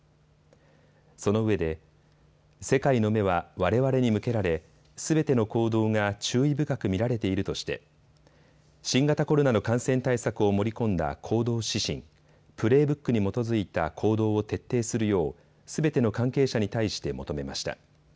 そのうえで世界の目はわれわれに向けられすべての行動が注意深く見られているとして新型コロナの感染対策を盛り込んだ行動指針、プレーブックに基づいた行動を徹底するようすべての関係者に対して求めました。